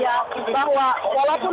bahwa walaupun kita punya kesalahan